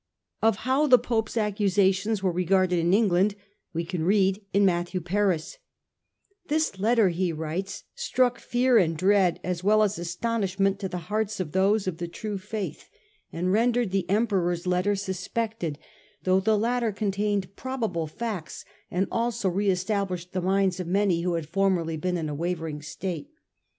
Of how the Pope's accusations were regarded in England we can read in Matthew Paris. " This letter," he writes, " struck fear and dread as well as astonishment to the hearts of those of the true faith, 1 This apparently refers to the University of Naples ! i68 STUPOR MUNDI and rendered the Emperor's letter suspected, though the latter contained probable facts, and also re established the minds of many who had formerly been in a wavering state.